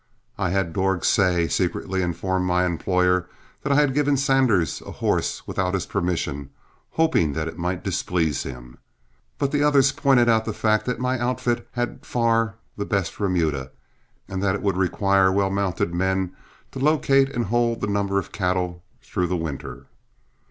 I had Dorg Seay secretly inform my employer that I had given Sanders a horse without his permission, hoping that it might displease him. But the others pointed out the fact that my outfit had far the best remuda, and that it would require well mounted men to locate and hold that number of cattle through the winter.